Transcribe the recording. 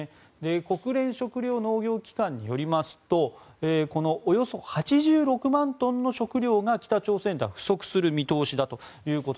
国連食糧農業機関によりますとこのおよそ８６万トンの食糧が北朝鮮では不足する見通しだと。